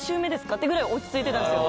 ってぐらい落ち着いてたんですよ